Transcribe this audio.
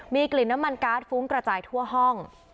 มีกลิ่นน้ำมันกาสฟุ้งกระจายอีกชีวิตทั่วห้อง